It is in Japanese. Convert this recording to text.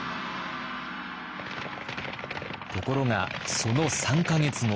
ところがその３か月後。